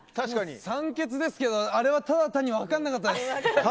酸欠ですけどあれはただ単に分からなかったです。